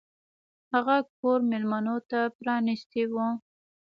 هغه کور میلمنو ته پرانیستی و.